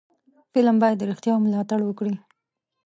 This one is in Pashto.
فلم باید د رښتیاو ملاتړ وکړي